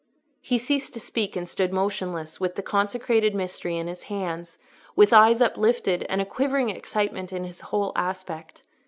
He ceased to speak, and stood motionless, with the consecrated Mystery in his hand, with eyes uplifted, and a quivering excitement in his whole aspect.